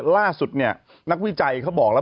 ล่าสุดเนี่ยนักวิจัยเขาบอกแล้ว